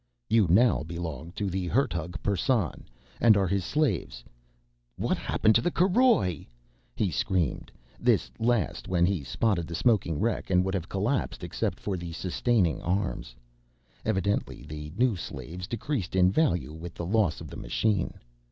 "You now belong to ... the Hertug Persson ... and are his slaves.... What happened to the caroj?" He screamed this last when he spotted the smoking wreck and would have collapsed except for the sustaining arms. Evidently the new slaves decreased in value with the loss of the machine.